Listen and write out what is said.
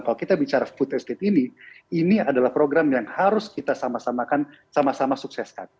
kalau kita bicara food estate ini ini adalah program yang harus kita sama samakan sama sama sukseskan